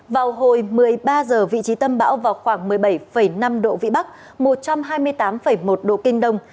vào hồi một mươi ba h vị trí tâm bão vào khoảng một mươi bảy năm độ vĩ bắc một trăm hai mươi tám một độ kinh đông